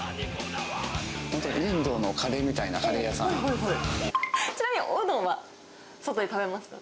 本当にインドのカレーみたいちなみに、おうどんは外で食べますか？